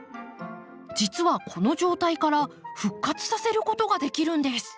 実はこの状態から復活させることができるんです。